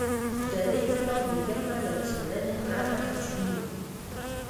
د دې کتاب ليکل به له څېړنې پرته ناشوني و.